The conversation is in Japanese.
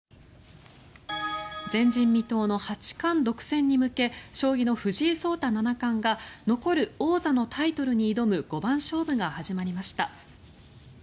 前人未到の八冠独占に向けて将棋の藤井聡太七冠が残る王座のタイトルに挑む五番勝負が始まりました。